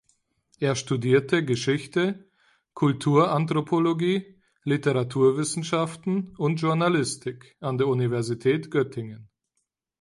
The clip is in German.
Er studierte Geschichte, Kulturanthropologie, Literaturwissenschaften und Journalistik an der Universität Göttingen.